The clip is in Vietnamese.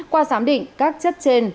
qua giám định các chất trên